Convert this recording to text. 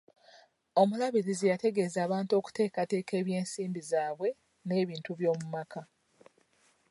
Omulabirizi yategeeza abantu okuteekateeka eby'ensimbi zaabwe n'ebintu by'omu maka.